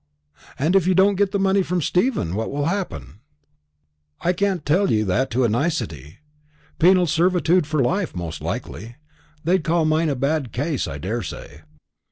"And if you don't get the money from Stephen, what will happen?" "I can't tell you that to a nicety. Penal servitude for life, most likely. They'd call mine a bad case, I daresay."